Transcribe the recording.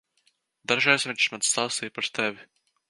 Dažreiz viņš man stāstīja par tevi.